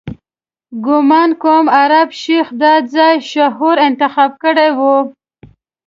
ګومان کوم عرب شیخ دا ځای شعوري انتخاب کړی وي.